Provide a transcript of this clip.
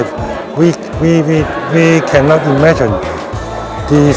kami tidak bisa membayangkan